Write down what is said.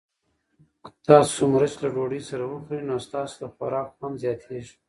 که تاسي مرچ له ډوډۍ سره وخورئ نو ستاسو د خوراک خوند زیاتیږي.